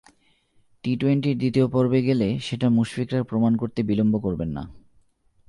টি-টোয়েন্টির দ্বিতীয় পর্বে গেলে সেটা মুশফিকরা প্রমাণ করতে বিলম্ব করবেন না।